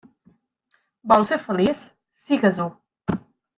Vols ser feliç? Sigues-ho.